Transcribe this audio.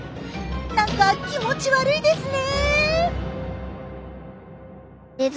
なんか気持ち悪いですね。